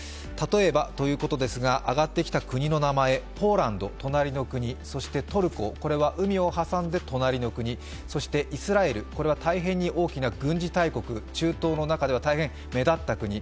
例えばということですが、挙がってきた国の名前ポーランド、隣の国、そしてトルコ、これは海を挟んで隣の国、そして、イスラエルこれは大変に大きな軍事国中東の中では大変目立った国。